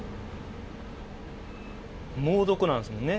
猛毒なんですもんね。